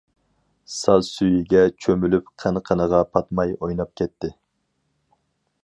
ساز سۈيىگە چۆمۈلۈپ قىن- قىنىغا پاتماي ئويناپ كەتتى.